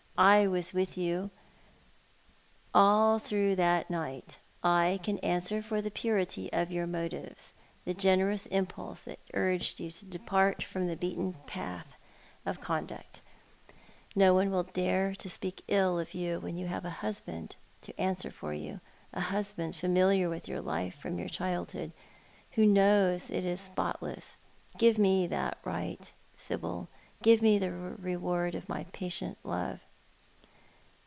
I was with you all through that night, I can answer for the purity of your motives — the generous impulse that urged you to depart from the beaten track of conduct. No one will dare to speak ill of you when you have a husband to answer for you — a husband familiar with your life from your childhood, and who knows that it is spotless. Give me that right, Sibyl — give me the reward of my patient love."